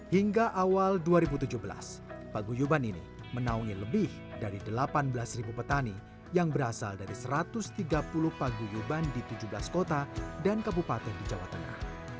hingga awal dua ribu tujuh belas paguyuban ini menaungi lebih dari delapan belas petani yang berasal dari satu ratus tiga puluh paguyuban di tujuh belas kota dan kabupaten di jawa tengah